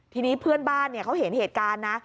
ทีนี้เพื่อนบ้านเขาเห็นเหตุการณ์นะ